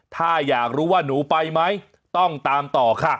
ถ้าอยากรู้ว่าหนูไปไหมต้องตามต่อค่ะ